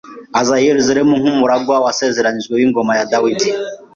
aza i Yerusalemu nk'umuragwa wasezeranywe w'ingoma ya Dawidi.